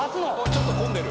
ちょっと混んでる。